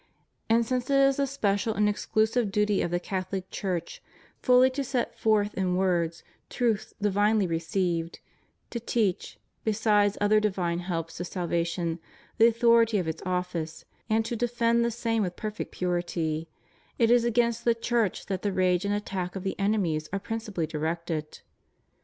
And since it is the special and exclu sive duty of the CathoHc Church fully to set forth in words truths divinely received, to teach, besides other divine helps to salvation, the authority of its office, and to defend the same with perfect purity, it is against the Church that the rage and attack of the enemies are prin cipally directed.